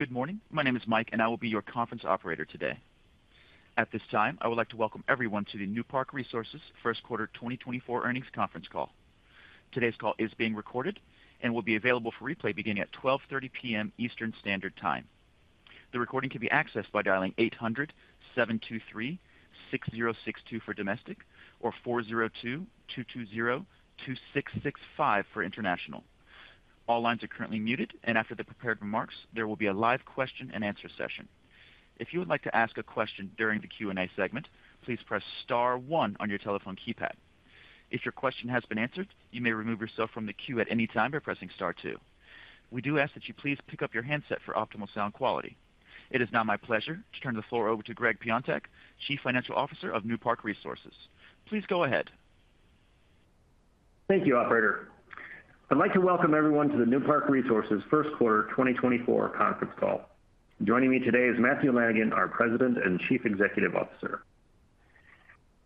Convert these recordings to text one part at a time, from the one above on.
Good morning. My name is Mike, and I will be your conference operator today. At this time, I would like to welcome everyone to the Newpark Resources First Quarter 2024 Earnings Conference Call. Today's call is being recorded and will be available for replay beginning at 12:30 P.M. Eastern Standard Time. The recording can be accessed by dialing 800-723-6062 for domestic, or 402-220-2665 for international. All lines are currently muted, and after the prepared remarks, there will be a live question-and-answer session. If you would like to ask a question during the Q&A segment, please press star one on your telephone keypad. If your question has been answered, you may remove yourself from the queue at any time by pressing star two. We do ask that you please pick up your handset for optimal sound quality. It is now my pleasure to turn the floor over to Gregg Piontek, Chief Financial Officer of Newpark Resources. Please go ahead. Thank you, operator. I'd like to welcome everyone to the Newpark Resources First Quarter 2024 conference call. Joining me today is Matthew Lanigan, our President and Chief Executive Officer.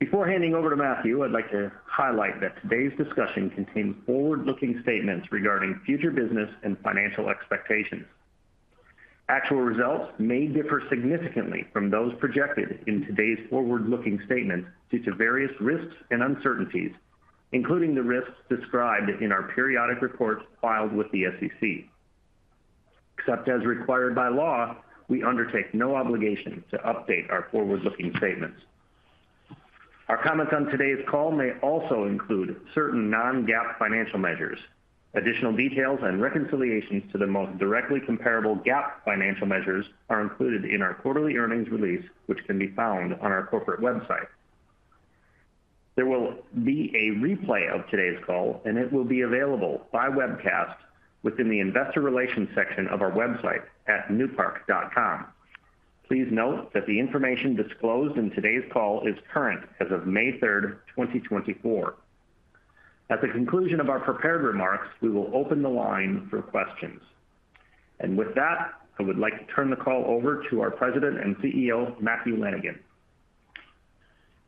Before handing over to Matthew, I'd like to highlight that today's discussion contains forward-looking statements regarding future business and financial expectations. Actual results may differ significantly from those projected in today's forward-looking statements due to various risks and uncertainties, including the risks described in our periodic reports filed with the SEC. Except as required by law, we undertake no obligation to update our forward-looking statements. Our comments on today's call may also include certain non-GAAP financial measures. Additional details and reconciliations to the most directly comparable GAAP financial measures are included in our quarterly earnings release, which can be found on our corporate website. There will be a replay of today's call, and it will be available by webcast within the Investor Relations section of our website at newpark.com. Please note that the information disclosed in today's call is current as of May third, 2024. At the conclusion of our prepared remarks, we will open the line for questions. With that, I would like to turn the call over to our President and CEO, Matthew Lanigan.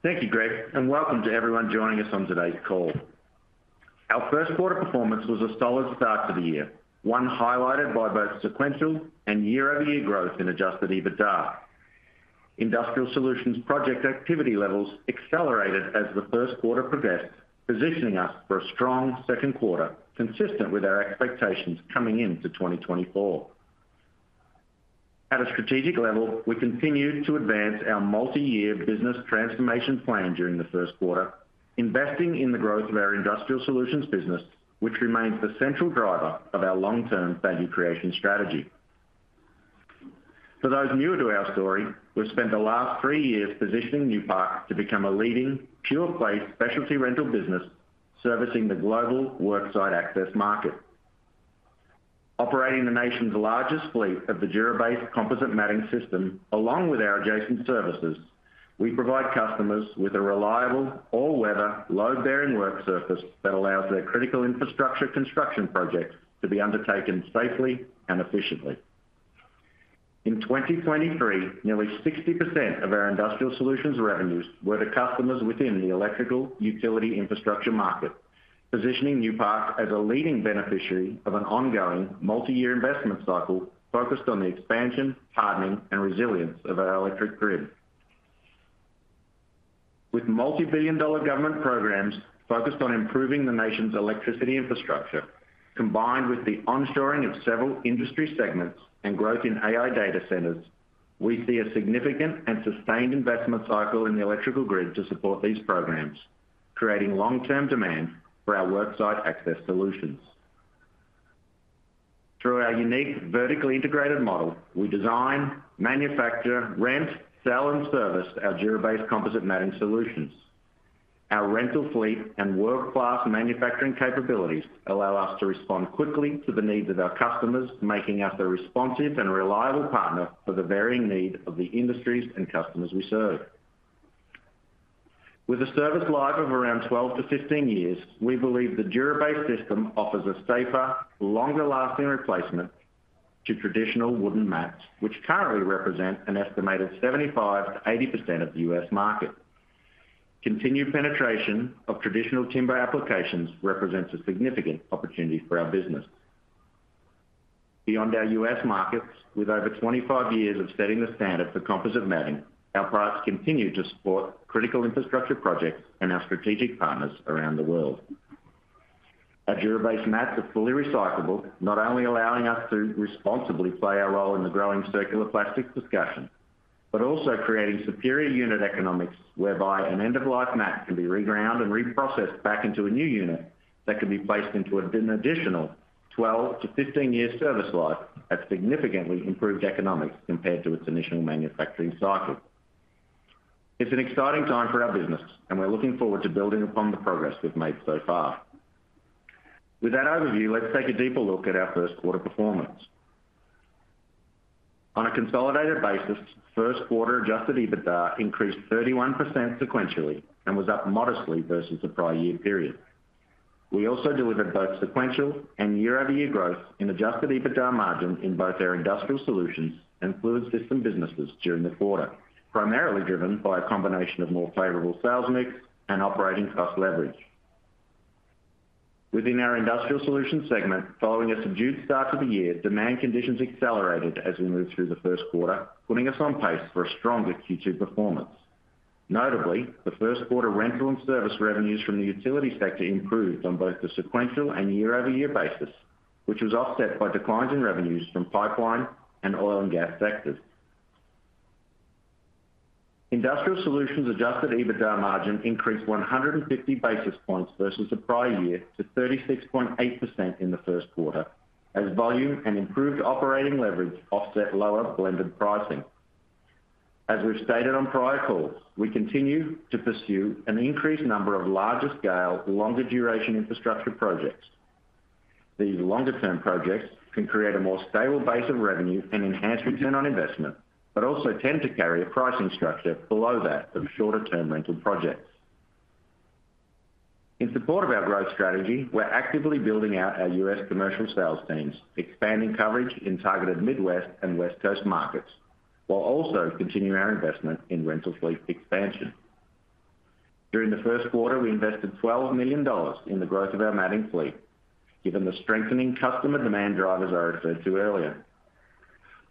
Thank you, Greg, and welcome to everyone joining us on today's call. Our first quarter performance was a solid start to the year, one highlighted by both sequential and year-over-year growth in Adjusted EBITDA. Industrial Solutions project activity levels accelerated as the first quarter progressed, positioning us for a strong second quarter, consistent with our expectations coming into 2024. At a strategic level, we continued to advance our multi-year business transformation plan during the first quarter, investing in the growth of our Industrial Solutions business, which remains the central driver of our long-term value creation strategy. For those newer to our story, we've spent the last three years positioning Newpark to become a leading pure-play specialty rental business, servicing the global worksite access market. Operating the nation's largest fleet of the DURA-BASE composite matting system, along with our adjacent services, we provide customers with a reliable, all-weather, load-bearing work surface that allows their critical infrastructure construction projects to be undertaken safely and efficiently. In 2023, nearly 60% of our Industrial Solutions revenues were to customers within the electrical utility infrastructure market, positioning Newpark as a leading beneficiary of an ongoing multi-year investment cycle focused on the expansion, hardening, and resilience of our electric grid. With multibillion-dollar government programs focused on improving the nation's electricity infrastructure, combined with the onshoring of several industry segments and growth in AI data centers, we see a significant and sustained investment cycle in the electrical grid to support these programs, creating long-term demand for our worksite access solutions. Through our unique, vertically integrated model, we design, manufacture, rent, sell, and service our DURA-BASE composite matting solutions. Our rental fleet and world-class manufacturing capabilities allow us to respond quickly to the needs of our customers, making us a responsive and reliable partner for the varying need of the industries and customers we serve. With a service life of around 12-15 years, we believe the DURA-BASE system offers a safer, longer-lasting replacement to traditional wooden mats, which currently represent an estimated 75%-80% of the U.S. market. Continued penetration of traditional timber applications represents a significant opportunity for our business. Beyond our U.S. markets, with over 25 years of setting the standard for composite matting, our products continue to support critical infrastructure projects and our strategic partners around the world. Our DURA-BASE mats are fully recyclable, not only allowing us to responsibly play our role in the growing circular plastic discussion, but also creating superior unit economics, whereby an end-of-life mat can be reground and reprocessed back into a new unit that can be placed into an additional 12-15 year service life at significantly improved economics compared to its initial manufacturing cycle. It's an exciting time for our business, and we're looking forward to building upon the progress we've made so far. With that overview, let's take a deeper look at our first quarter performance. On a consolidated basis, first quarter Adjusted EBITDA increased 31% sequentially and was up modestly versus the prior year period. We also delivered both sequential and year-over-year growth in Adjusted EBITDA margin in both our Industrial Solutions and Fluid Systems businesses during the quarter, primarily driven by a combination of more favorable sales mix and operating cost leverage. Within our Industrial Solutions segment, following a subdued start to the year, demand conditions accelerated as we moved through the first quarter, putting us on pace for a stronger Q2 performance. Notably, the first quarter rental and service revenues from the utility sector improved on both the sequential and year-over-year basis, which was offset by declines in revenues from pipeline and oil and gas sectors. Industrial Solutions Adjusted EBITDA margin increased 150 basis points versus the prior year to 36.8% in the first quarter, as volume and improved operating leverage offset lower blended pricing. As we've stated on prior calls, we continue to pursue an increased number of larger scale, longer duration infrastructure projects. These longer-term projects can create a more stable base of revenue and enhanced return on investment, but also tend to carry a pricing structure below that of shorter-term rental projects. In support of our growth strategy, we're actively building out our U.S. commercial sales teams, expanding coverage in targeted Midwest and West Coast markets, while also continuing our investment in rental fleet expansion. During the first quarter, we invested $12 million in the growth of our matting fleet, given the strengthening customer demand drivers I referred to earlier.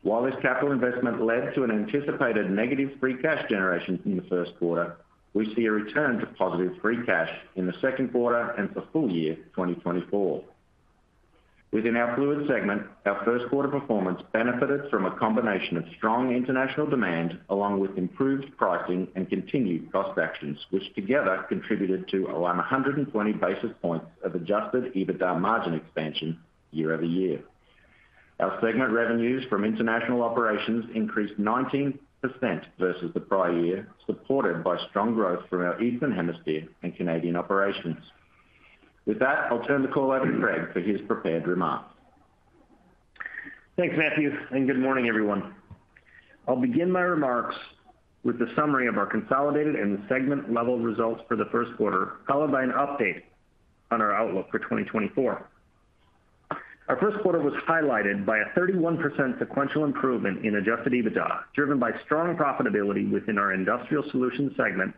While this capital investment led to an anticipated negative free cash generation in the first quarter, we see a return to positive free cash in the second quarter and for full year 2024. Within our Fluids segment, our first quarter performance benefited from a combination of strong international demand, along with improved pricing and continued cost actions, which together contributed to 100 basis points of Adjusted EBITDA margin expansion year-over-year. Our segment revenues from international operations increased 19% versus the prior year, supported by strong growth from our Eastern Hemisphere and Canadian operations. With that, I'll turn the call over to Gregg for his prepared remarks. Thanks, Matthew, and good morning, everyone. I'll begin my remarks with a summary of our consolidated and segment-level results for the first quarter, followed by an update on our outlook for 2024. Our first quarter was highlighted by a 31% sequential improvement in Adjusted EBITDA, driven by strong profitability within our Industrial Solutions segment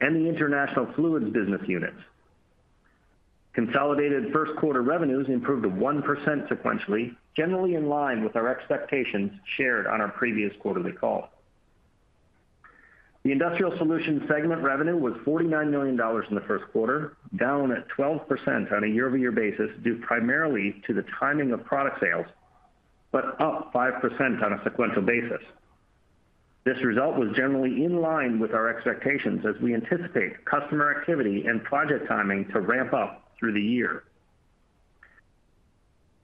and the International Fluids business units. Consolidated first quarter revenues improved 1% sequentially, generally in line with our expectations shared on our previous quarterly call. The Industrial Solutions segment revenue was $49 million in the first quarter, down 12% on a year-over-year basis, due primarily to the timing of product sales, but up 5% on a sequential basis. This result was generally in line with our expectations as we anticipate customer activity and project timing to ramp up through the year.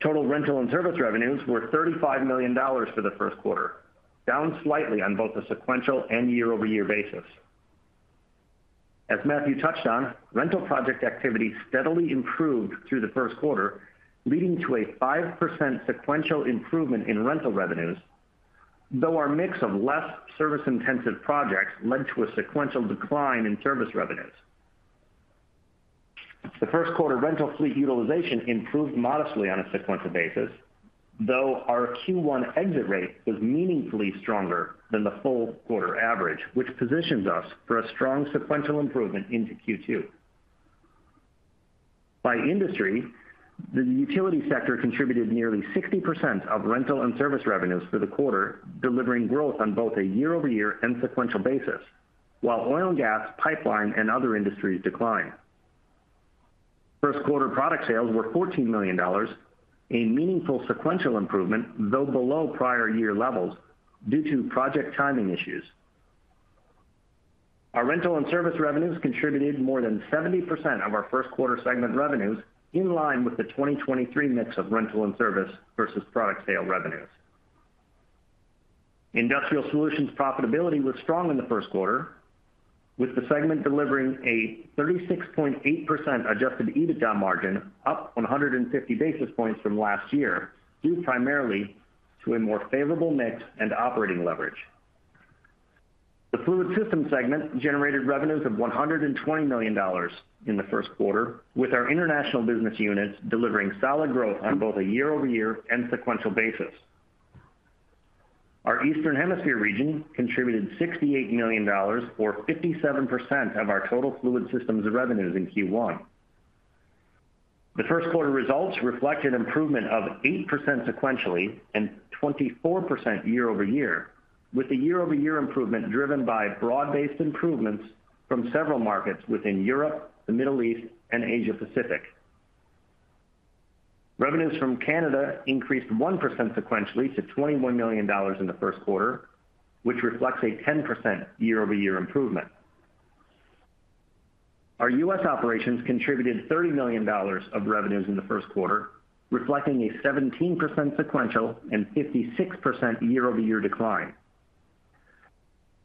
Total rental and service revenues were $35 million for the first quarter, down slightly on both a sequential and year-over-year basis. As Matthew touched on, rental project activity steadily improved through the first quarter, leading to a 5% sequential improvement in rental revenues, though our mix of less service-intensive projects led to a sequential decline in service revenues. The first quarter rental fleet utilization improved modestly on a sequential basis, though our Q1 exit rate was meaningfully stronger than the full quarter average, which positions us for a strong sequential improvement into Q2. By industry, the utility sector contributed nearly 60% of rental and service revenues for the quarter, delivering growth on both a year-over-year and sequential basis, while oil and gas, pipeline, and other industries declined. First quarter product sales were $14 million, a meaningful sequential improvement, though below prior year levels due to project timing issues. Our rental and service revenues contributed more than 70% of our first quarter segment revenues, in line with the 2023 mix of rental and service versus product sale revenues. Industrial Solutions profitability was strong in the first quarter, with the segment delivering a 36.8% Adjusted EBITDA margin, up 150 basis points from last year, due primarily to a more favorable mix and operating leverage. The Fluid Systems segment generated revenues of $120 million in the first quarter, with our international business units delivering solid growth on both a year-over-year and sequential basis. Our Eastern Hemisphere region contributed $68 million, or 57% of our total Fluid Systems revenues in Q1. The first quarter results reflect an improvement of 8% sequentially and 24% year-over-year, with the year-over-year improvement driven by broad-based improvements from several markets within Europe, the Middle East, and Asia Pacific. Revenues from Canada increased 1% sequentially to $21 million in the first quarter, which reflects a 10% year-over-year improvement. Our U.S. operations contributed $30 million of revenues in the first quarter, reflecting a 17% sequential and 56% year-over-year decline.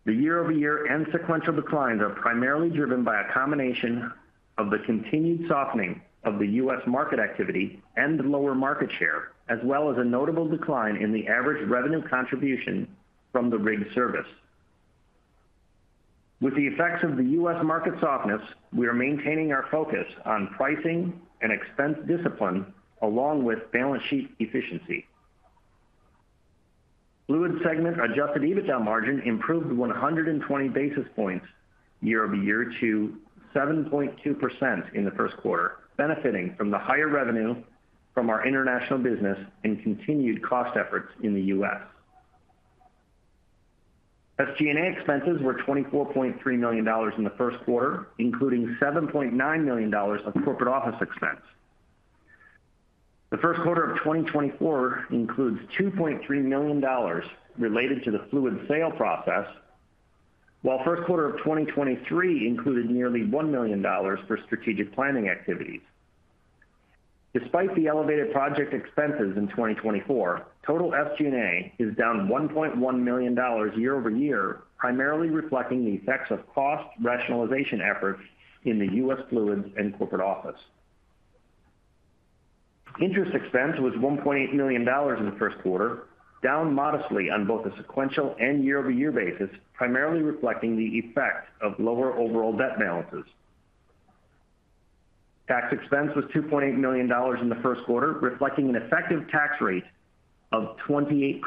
The year-over-year and sequential declines are primarily driven by a combination of the continued softening of the U.S. market activity and lower market share, as well as a notable decline in the average revenue contribution from the rig service. With the effects of the U.S. market softness, we are maintaining our focus on pricing and expense discipline, along with balance sheet efficiency.... Fluid segment, Adjusted EBITDA margin improved 100 basis points year-over-year to 7.2% in the first quarter, benefiting from the higher revenue from our international business and continued cost efforts in the U.S. SG&A expenses were $24.3 million in the first quarter, including $7.9 million of corporate office expense. The first quarter of 2024 includes $2.3 million related to the Fluid sale process, while first quarter of 2023 included nearly $1 million for strategic planning activities. Despite the elevated project expenses in 2024, total SG&A is down $1.1 million year-over-year, primarily reflecting the effects of cost rationalization efforts in the U.S. Fluids and corporate office. Interest expense was $1.8 million in the first quarter, down modestly on both a sequential and year-over-year basis, primarily reflecting the effect of lower overall debt balances. Tax expense was $2.8 million in the first quarter, reflecting an effective tax rate of 28%,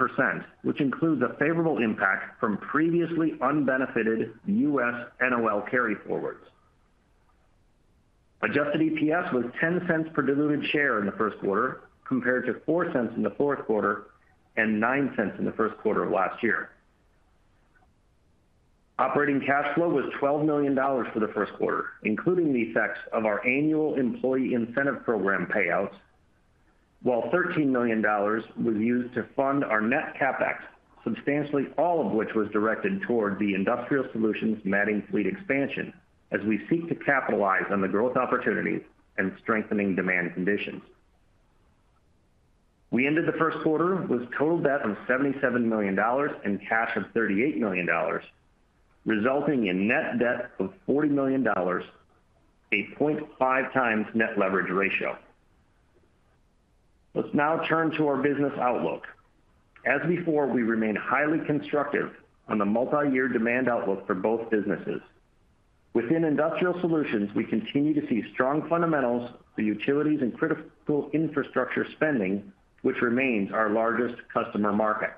which includes a favorable impact from previously unbenefited U.S. NOL carryforwards. Adjusted EPS was $0.10 per diluted share in the first quarter, compared to $0.04 in the fourth quarter and $0.09 in the first quarter of last year. Operating cash flow was $12 million for the first quarter, including the effects of our annual employee incentive program payouts, while $13 million was used to fund our net CapEx, substantially all of which was directed toward the Industrial Solutions matting fleet expansion, as we seek to capitalize on the growth opportunities and strengthening demand conditions. We ended the first quarter with total debt of $77 million and cash of $38 million, resulting in net debt of $40 million, 0.5x net leverage ratio. Let's now turn to our business outlook. As before, we remain highly constructive on the multi-year demand outlook for both businesses. Within Industrial Solutions, we continue to see strong fundamentals for utilities and critical infrastructure spending, which remains our largest customer market.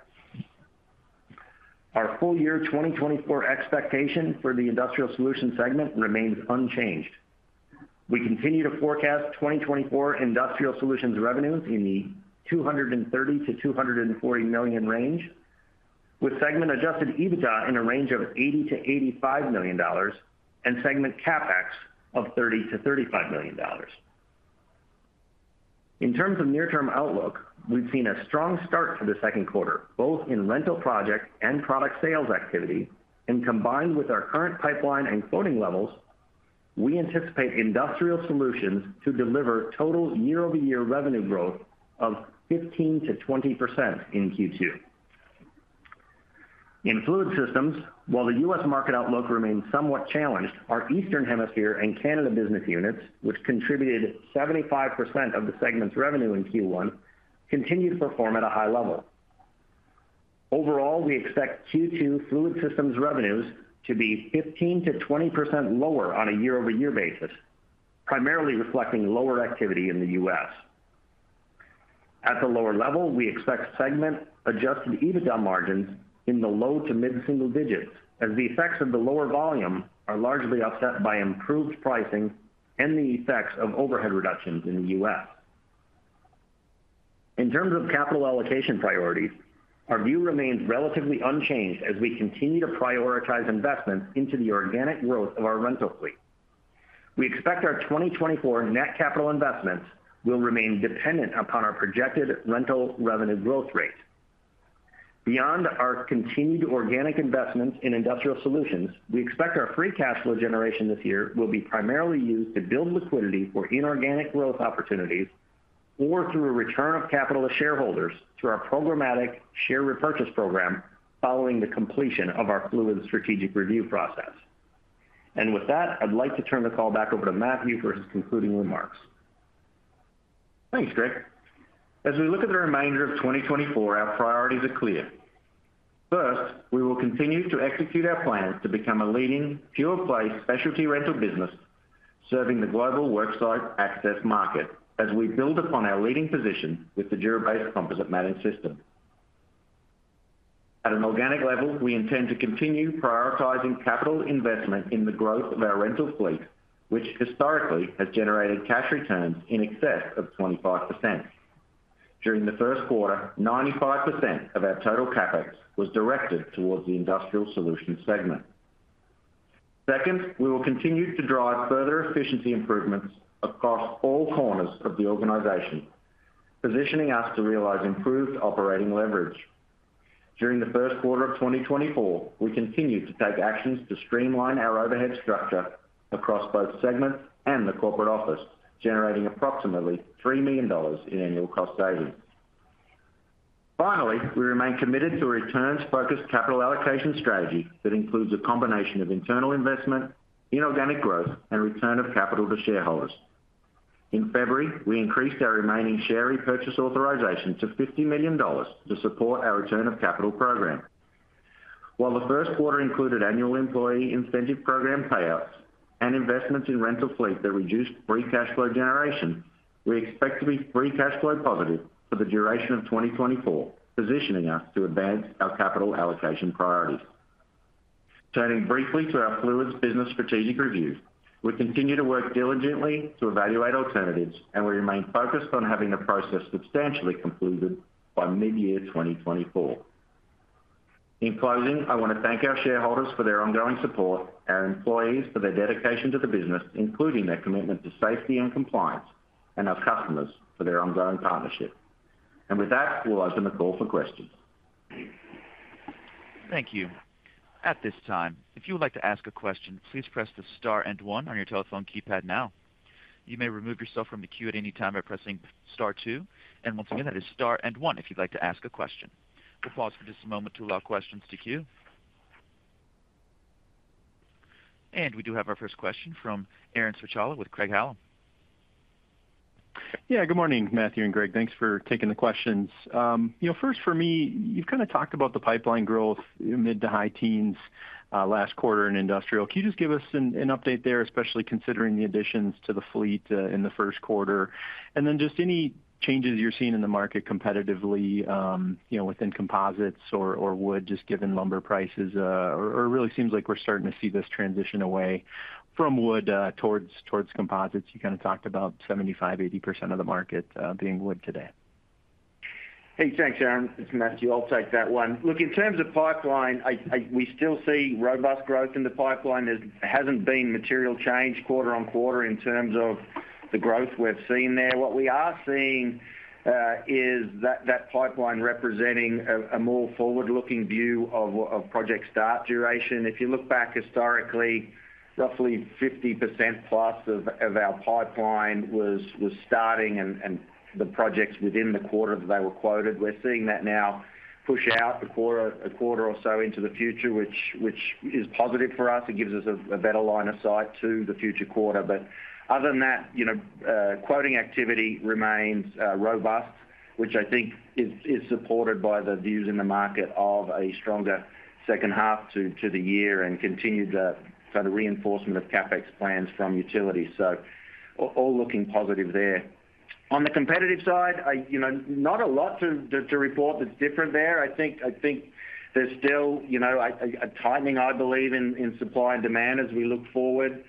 Our full year 2024 expectation for the Industrial Solutions segment remains unchanged. We continue to forecast 2024 Industrial Solutions revenues in the $230 million-$240 million range, with segment Adjusted EBITDA in a range of $80 million-$85 million and segment CapEx of $30 million-$35 million. In terms of near-term outlook, we've seen a strong start to the second quarter, both in rental project and product sales activity, and combined with our current pipeline and quoting levels, we anticipate Industrial Solutions to deliver total year-over-year revenue growth of 15%-20% in Q2. In Fluid Systems, while the U.S. market outlook remains somewhat challenged, our Eastern Hemisphere and Canada business units, which contributed 75% of the segment's revenue in Q1, continued to perform at a high level. Overall, we expect Q2 Fluid Systems revenues to be 15%-20% lower on a year-over-year basis, primarily reflecting lower activity in the U.S. At the lower level, we expect segment Adjusted EBITDA margins in the low to mid-single digits, as the effects of the lower volume are largely offset by improved pricing and the effects of overhead reductions in the U.S. In terms of capital allocation priorities, our view remains relatively unchanged as we continue to prioritize investments into the organic growth of our rental fleet. We expect our 2024 net capital investments will remain dependent upon our projected rental revenue growth rate. Beyond our continued organic investments in Industrial Solutions, we expect our free cash flow generation this year will be primarily used to build liquidity for inorganic growth opportunities or through a return of capital to shareholders through our programmatic share repurchase program following the completion of our Fluid strategic review process. With that, I'd like to turn the call back over to Matthew for his concluding remarks. Thanks, Gregg. As we look at the remainder of 2024, our priorities are clear. First, we will continue to execute our plan to become a leading pure-play specialty rental business, serving the global work site access market as we build upon our leading position with the DURA-BASE Composite Mat System. At an organic level, we intend to continue prioritizing capital investment in the growth of our rental fleet, which historically has generated cash returns in excess of 25%. During the first quarter, 95% of our total CapEx was directed towards the Industrial Solutions segment. Second, we will continue to drive further efficiency improvements across all corners of the organization, positioning us to realize improved operating leverage. During the first quarter of 2024, we continued to take actions to streamline our overhead structure across both segments and the corporate office, generating approximately $3 million in annual cost savings. Finally, we remain committed to a returns-focused capital allocation strategy that includes a combination of internal investment, inorganic growth, and return of capital to shareholders. In February, we increased our remaining share repurchase authorization to $50 million to support our return of capital program.... While the first quarter included annual employee incentive program payouts and investments in rental fleet that reduced free cash flow generation, we expect to be free cash flow positive for the duration of 2024, positioning us to advance our capital allocation priorities. Turning briefly to our Fluids business strategic review, we continue to work diligently to evaluate alternatives, and we remain focused on having the process substantially completed by mid-year 2024. In closing, I want to thank our shareholders for their ongoing support, our employees for their dedication to the business, including their commitment to safety and compliance, and our customers for their ongoing partnership. With that, we'll open the call for questions. Thank you. At this time, if you would like to ask a question, please press the star and one on your telephone keypad now. You may remove yourself from the queue at any time by pressing star two, and once again, that is star and one, if you'd like to ask a question. We'll pause for just a moment to allow questions to queue. We do have our first question from Aaron Spychalla with Craig-Hallum. Yeah, good morning, Matthew and Gregg. Thanks for taking the questions. You know, first for me, you've kind of talked about the pipeline growth mid- to high-teens last quarter in industrial. Can you just give us an update there, especially considering the additions to the fleet in the first quarter? And then just any changes you're seeing in the market competitively, you know, within composites or wood, just given lumber prices, or it really seems like we're starting to see this transition away from wood towards composites. You kind of talked about 75%-80% of the market being wood today. Hey, thanks, Aaron. It's Matthew. I'll take that one. Look, in terms of pipeline, I we still see robust growth in the pipeline. There hasn't been material change quarter-over-quarter in terms of the growth we've seen there. What we are seeing is that pipeline representing a more forward-looking view of project start duration. If you look back historically, roughly 50%+ of our pipeline was starting, and the projects within the quarter that they were quoted. We're seeing that now push out a quarter or so into the future, which is positive for us. It gives us a better line of sight to the future quarter. But other than that, you know, quoting activity remains robust, which I think is, is supported by the views in the market of a stronger second half to the year and continued sort of reinforcement of CapEx plans from utilities. So all looking positive there. On the competitive side, I, you know, not a lot to report that's different there. I think, I think there's still, you know, a tightening, I believe, in supply and demand as we look forward.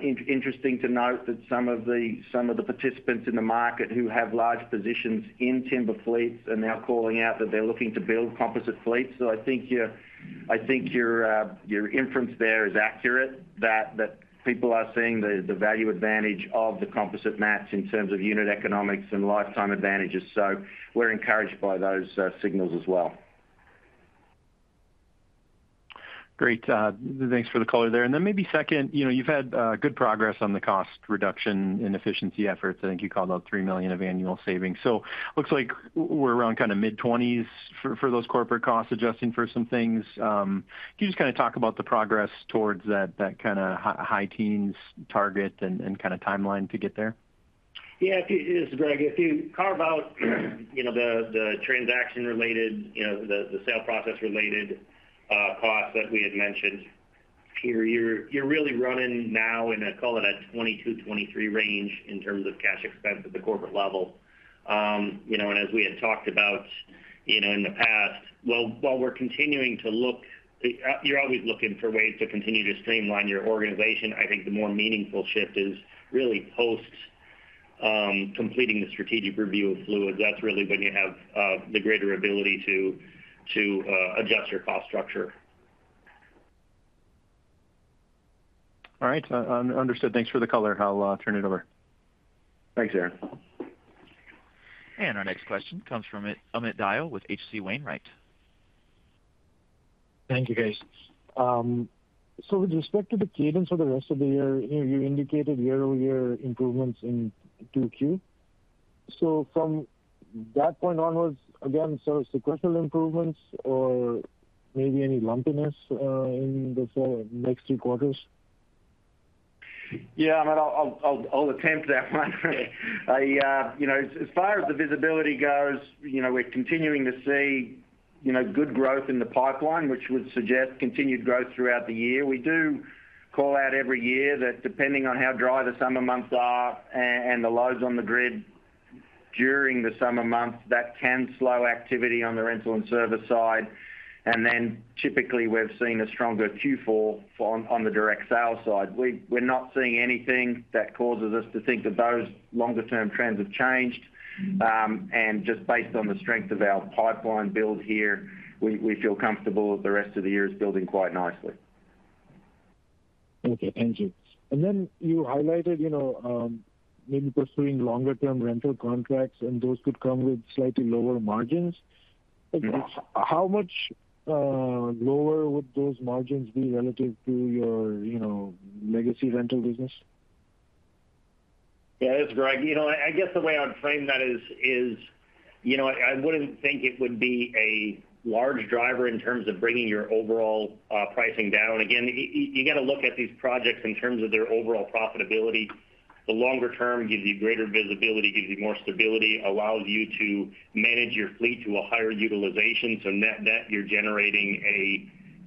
Interesting to note that some of the participants in the market who have large positions in timber fleets are now calling out that they're looking to build composite fleets. So I think your inference there is accurate, that people are seeing the value advantage of the composite mats in terms of unit economics and lifetime advantages. So we're encouraged by those signals as well. Great. Thanks for the color there. And then maybe second, you know, you've had good progress on the cost reduction and efficiency efforts. I think you called out $3 million of annual savings. So looks like we're around mid-20s for those corporate costs, adjusting for some things. Can you just kind of talk about the progress towards that kinda high teens target and kinda timeline to get there? Yeah, if you... This is Gregg. If you carve out, you know, the transaction-related, you know, the sale process-related costs that we had mentioned, you're really running now in a, call it a 22-23 range in terms of cash expense at the corporate level. You know, and as we had talked about, you know, in the past, while we're continuing to look, you're always looking for ways to continue to streamline your organization. I think the more meaningful shift is really post completing the strategic review of Fluids. That's really when you have the greater ability to adjust your cost structure. All right, understood. Thanks for the color. I'll turn it over. Thanks, Aaron. Our next question comes from Amit Dayal with H.C. Wainwright. Thank you, guys. So with respect to the cadence for the rest of the year, you indicated year-over-year improvements in 2Q. So from that point onwards, again, so sequential improvements or maybe any lumpiness in the sort of next two quarters? Yeah, I mean, I'll attempt that one. I, you know, as far as the visibility goes, you know, we're continuing to see, you know, good growth in the pipeline, which would suggest continued growth throughout the year. We do call out every year that depending on how dry the summer months are and the loads on the grid during the summer months, that can slow activity on the rental and service side. And then typically, we've seen a stronger Q4 on the direct sales side. We're not seeing anything that causes us to think that those longer-term trends have changed. And just based on the strength of our pipeline build here, we feel comfortable that the rest of the year is building quite nicely. Okay, thank you. And then you highlighted, you know, maybe pursuing longer-term rental contracts, and those could come with slightly lower margins. Mm-hmm. How much, lower would those margins be relative to your, you know, legacy rental business? Yeah, it's Gregg. You know, I guess the way I'd frame that is, you know, I wouldn't think it would be a large driver in terms of bringing your overall pricing down. Again, you got to look at these projects in terms of their overall profitability. The longer term gives you greater visibility, gives you more stability, allows you to manage your fleet to a higher utilization, so net, you're generating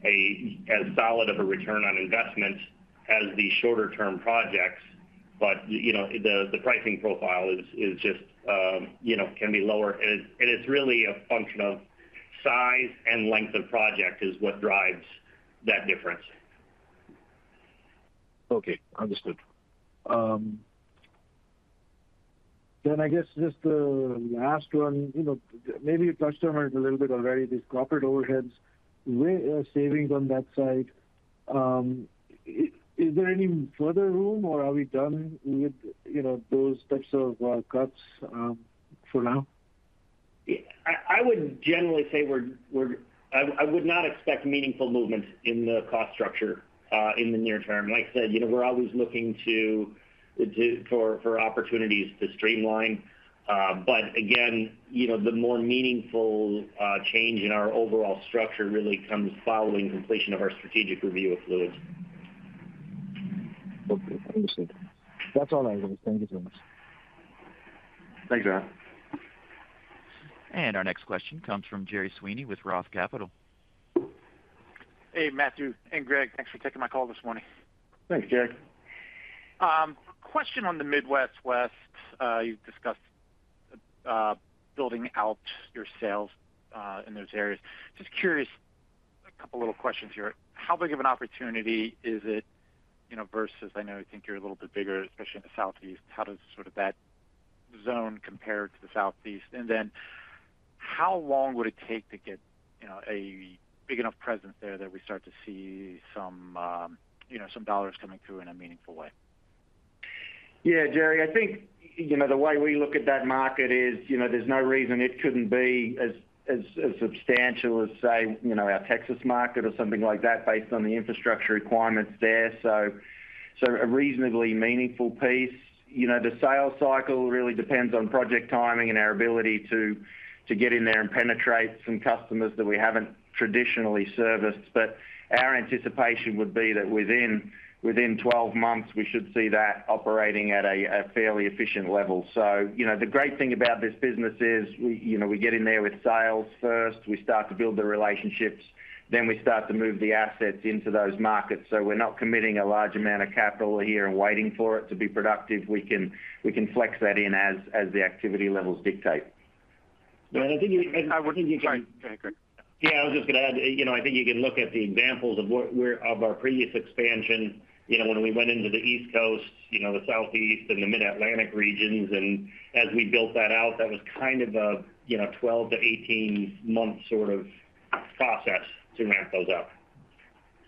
as solid of a return on investment.... as the shorter-term projects, but you know, the pricing profile is just, you know, can be lower, and it's really a function of size and length of project is what drives that difference. Okay, understood. Then I guess just the last one, you know, maybe you touched on it a little bit already, these corporate overheads, where are savings on that side? Is there any further room, or are we done with, you know, those types of cuts, for now? Yeah, I would generally say we're. I would not expect meaningful movement in the cost structure in the near term. Like I said, you know, we're always looking for opportunities to streamline. But again, you know, the more meaningful change in our overall structure really comes following completion of our strategic review of Fluids. Okay, understood. That's all I was... Thank you very much. Thanks, Aaron. Our next question comes from Gerry Sweeney with Roth Capital. Hey, Matthew and Gregg, thanks for taking my call this morning. Thanks, Gerry. Question on the Midwest West. You've discussed building out your sales in those areas. Just curious, a couple little questions here. How big of an opportunity is it, you know, versus I know you think you're a little bit bigger, especially in the Southeast. How does sort of that zone compare to the Southeast? And then, how long would it take to get, you know, a big enough presence there that we start to see some, you know, some dollars coming through in a meaningful way? Yeah, Gerry, I think, you know, the way we look at that market is, you know, there's no reason it couldn't be as substantial as, say, you know, our Texas market or something like that, based on the infrastructure requirements there. So a reasonably meaningful piece. You know, the sales cycle really depends on project timing and our ability to get in there and penetrate some customers that we haven't traditionally serviced. But our anticipation would be that within 12 months, we should see that operating at a fairly efficient level. So, you know, the great thing about this business is we, you know, we get in there with sales first. We start to build the relationships, then we start to move the assets into those markets. So we're not committing a large amount of capital a year and waiting for it to be productive. We can flex that in as the activity levels dictate. And I think you- Sorry. Go ahead, Gregg. Yeah, I was just gonna add, you know, I think you can look at the examples of our previous expansion. You know, when we went into the East Coast, you know, the Southeast and the Mid-Atlantic regions, and as we built that out, that was kind of a, you know, 12-18-month sort of process to ramp those up.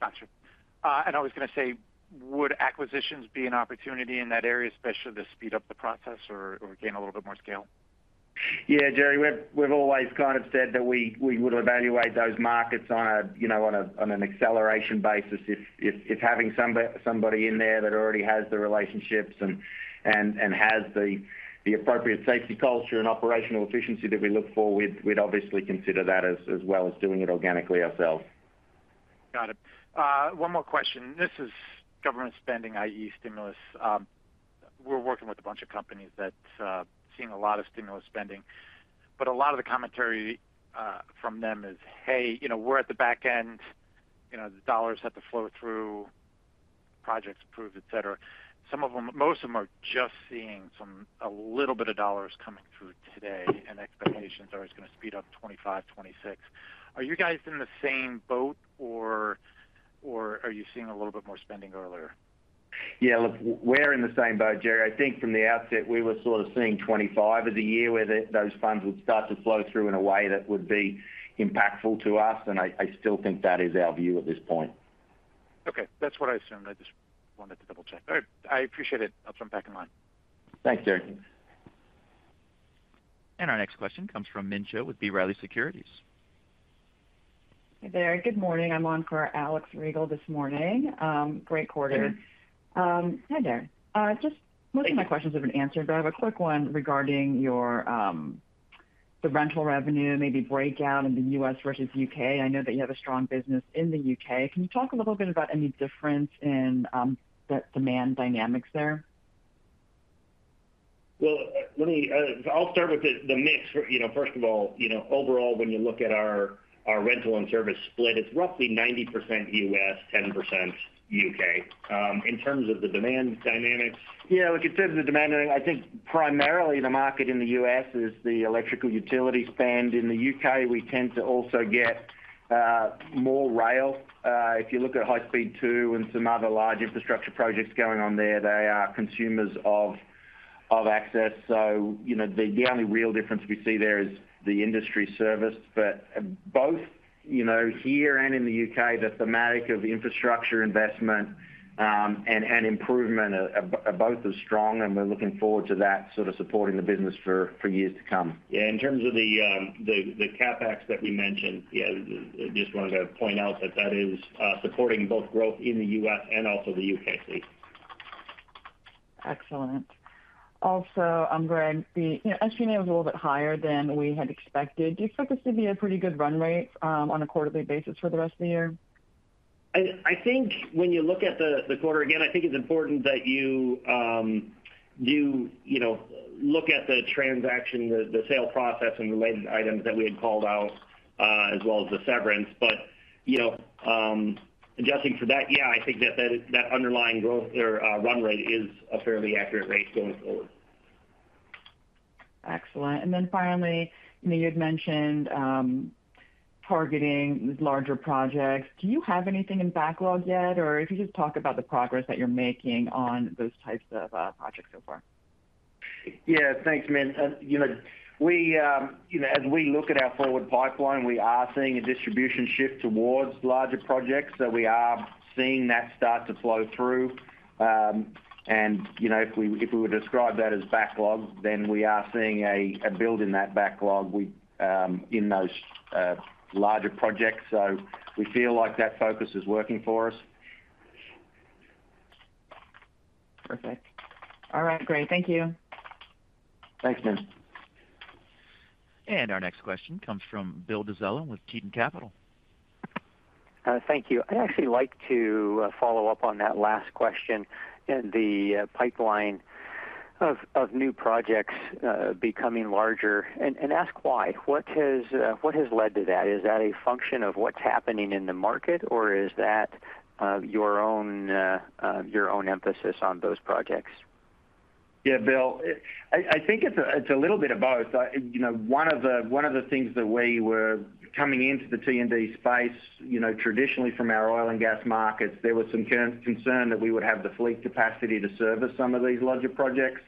Gotcha. I was gonna say, would acquisitions be an opportunity in that area, especially to speed up the process or gain a little bit more scale? Yeah, Gerry, we've always kind of said that we would evaluate those markets on a, you know, on an acceleration basis. If having somebody in there that already has the relationships and has the appropriate safety culture and operational efficiency that we look for, we'd obviously consider that as well as doing it organically ourselves. Got it. One more question. This is government spending, i.e., stimulus. We're working with a bunch of companies that, seeing a lot of stimulus spending, but a lot of the commentary from them is, "Hey, you know, we're at the back end, you know, the dollars have to flow through, projects approved," et cetera. Some of them, most of them are just seeing some... A little bit of dollars coming through today, and expectations are it's gonna speed up 2025, 2026. Are you guys in the same boat, or, or are you seeing a little bit more spending earlier? Yeah, look, we're in the same boat, Gerry. I think from the outset, we were sort of seeing 2025 as a year, where those funds would start to flow through in a way that would be impactful to us, and I still think that is our view at this point. Okay, that's what I assumed. I just wanted to double-check. All right, I appreciate it. I'll jump back in line. Thanks, Gerry. And our next question comes from Min Chen with B. Riley Securities. Hi there, good morning. I'm on for Alex Rygiel this morning. Great quarter. Hey. Hi there. Just most of my questions have been answered, but I have a quick one regarding your, the rental revenue, maybe breakdown in the U.S. versus U.K. I know that you have a strong business in the U.K. Can you talk a little bit about any difference in, the demand dynamics there? Well, let me... I'll start with the mix. You know, first of all, you know, overall, when you look at our rental and service split, it's roughly 90% U.S., 10% U.K. In terms of the demand dynamics- Yeah, look, in terms of the demand dynamic, I think primarily the market in the U.S. is the electrical utility spend. In the U.K., we tend to also get more rail. If you look at High Speed Two and some other large infrastructure projects going on there, they are consumers of access. So, you know, the only real difference we see there is the industry service. But both, you know, here and in the U.K., the thematic of infrastructure investment and improvement are both as strong, and we're looking forward to that sort of supporting the business for years to come. Yeah, in terms of the CapEx that we mentioned, yeah, just wanted to point out that that is supporting both growth in the U.S. and also the U.K. Excellent. Also, Gregg, the, you know, SG&A was a little bit higher than we had expected. Do you expect this to be a pretty good run rate, on a quarterly basis for the rest of the year? I think when you look at the quarter, again, I think it's important that you do, you know, look at the transaction, the sale process and related items that we had called out, as well as the severance. But, you know, adjusting for that, yeah, I think that underlying growth or run rate is a fairly accurate rate going forward. Excellent. And then finally, you know, you'd mentioned targeting these larger projects. Do you have anything in backlog yet? Or if you could just talk about the progress that you're making on those types of projects so far. Yeah, thanks, Min. You know, as we look at our forward pipeline, we are seeing a distribution shift towards larger projects. So we are seeing that start to flow through. And, you know, if we, if we were to describe that as backlog, then we are seeing a, a build in that backlog, we, in those, larger projects. So we feel like that focus is working for us. Perfect. All right, great. Thank you. Thanks, Min. Our next question comes from Bill Dezellem with Tieton Capital. Thank you. I'd actually like to follow up on that last question and the pipeline of new projects becoming larger and ask why? What has led to that? Is that a function of what's happening in the market, or is that your own emphasis on those projects? Yeah, Bill, I think it's a little bit of both. You know, one of the things that we were coming into the T&D space, you know, traditionally from our oil and gas markets, there was some concern that we would have the fleet capacity to service some of these larger projects.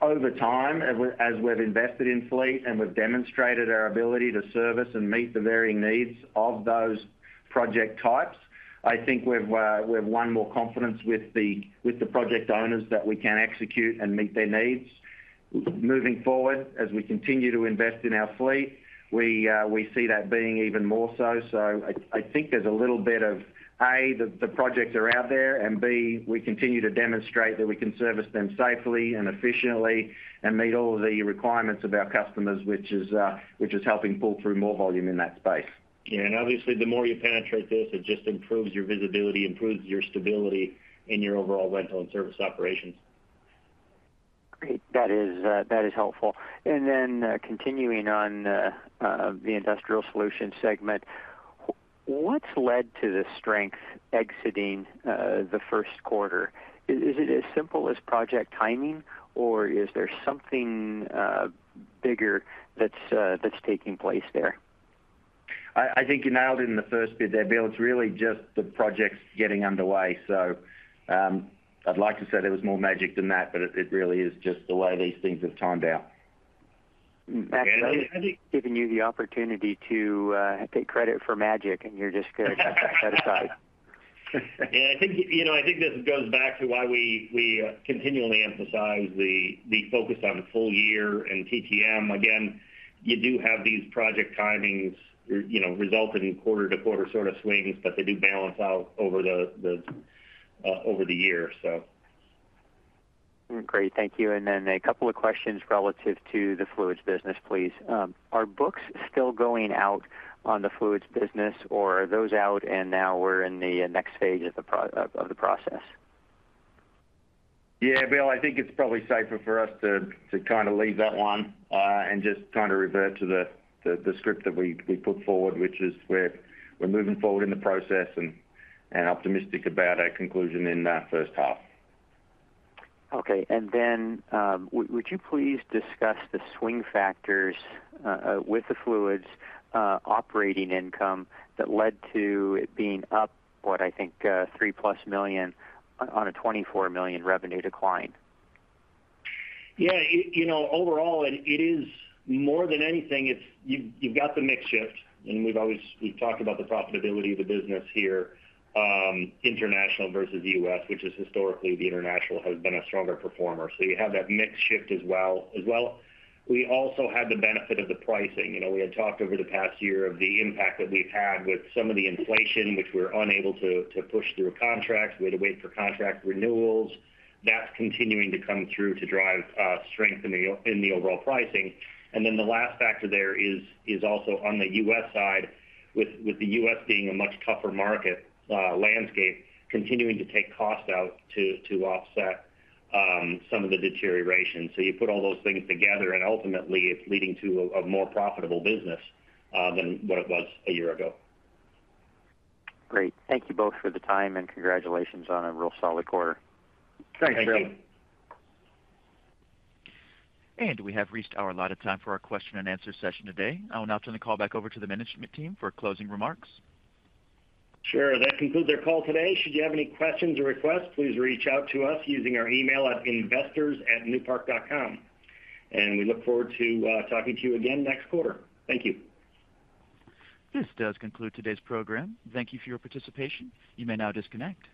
Over time, as we've invested in fleet and we've demonstrated our ability to service and meet the varying needs of those project types, I think we've won more confidence with the project owners that we can execute and meet their needs. Moving forward, as we continue to invest in our fleet, we see that being even more so. So I think there's a little bit of, A, the projects are out there, and B, we continue to demonstrate that we can service them safely and efficiently and meet all of the requirements of our customers, which is helping pull through more volume in that space. Yeah, and obviously, the more you penetrate this, it just improves your visibility, improves your stability in your overall rental and service operations. Great. That is, that is helpful. And then, continuing on, the Industrial Solutions segment, what's led to the strength exiting the first quarter? Is it as simple as project timing, or is there something bigger that's taking place there? I think you nailed it in the first bit there, Bill. It's really just the projects getting underway. So, I'd like to say there was more magic than that, but it really is just the way these things have timed out. I think giving you the opportunity to take credit for magic, and you're just setting that aside. Yeah, I think, you know, I think this goes back to why we continually emphasize the focus on full year and TTM. Again, you do have these project timings, you know, resulting in quarter-to-quarter sort of swings, but they do balance out over the year, so. Great. Thank you. And then a couple of questions relative to the Fluids business, please. Are books still going out on the Fluids business, or are those out and now we're in the next stage of the process? Yeah, Bill, I think it's probably safer for us to kind of leave that one and just kind of revert to the script that we put forward, which is we're moving forward in the process and optimistic about a conclusion in the first half. Okay. And then, would you please discuss the swing factors with the fluids operating income that led to it being up, what I think, $3+ million on a $24 million revenue decline? Yeah, you know, overall, it is more than anything, it's you've got the mix shift, and we've always we've talked about the profitability of the business here, international versus U.S., which is historically, the international has been a stronger performer. So you have that mix shift as well. As well, we also had the benefit of the pricing. You know, we had talked over the past year of the impact that we've had with some of the inflation, which we're unable to push through contracts. We had to wait for contract renewals. That's continuing to come through to drive strength in the overall pricing. And then the last factor there is also on the U.S. side, with the U.S. being a much tougher market landscape, continuing to take cost out to offset some of the deterioration. So you put all those things together, and ultimately, it's leading to a more profitable business than what it was a year ago. Great. Thank you both for the time, and congratulations on a real solid quarter. Thanks, Bill. Thanks. We have reached our allotted time for our question and answer session today. I will now turn the call back over to the management team for closing remarks. Sure. That concludes our call today. Should you have any questions or requests, please reach out to us using our email at investors@newpark.com, and we look forward to talking to you again next quarter. Thank you. This does conclude today's program. Thank you for your participation. You may now disconnect.